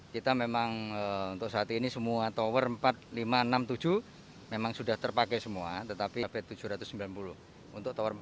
kita memang untuk saat ini semua tower empat ribu lima ratus enam puluh tujuh memang sudah terpakai semua tetapi p tujuh ratus sembilan puluh untuk tower empat